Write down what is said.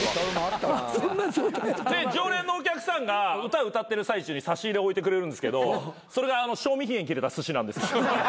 そんな状態やった？で常連のお客さんが歌歌ってる最中に差し入れを置いてくれるんですけどそれが賞味期限切れたすしなんです。